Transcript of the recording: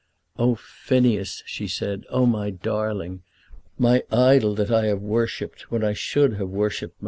"Oh, Phineas," she said, "Oh, my darling! My idol that I have worshipped when I should have worshipped my God!"